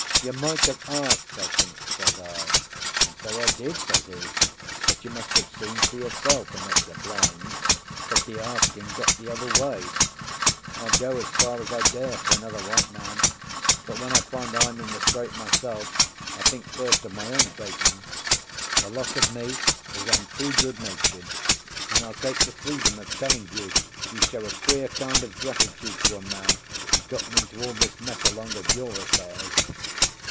"You might have asked, I think," says I. "And so I did," says he. "But you must have seen for yourself, unless you're blind, that the asking got the other way. I'll go as far as I dare for another white man; but when I find I'm in the scrape myself, I think first of my own bacon. The loss of me is I'm too good natured. And I'll take the freedom of telling you you show a queer kind of gratitude to a man who's got into all this mess along of your affairs."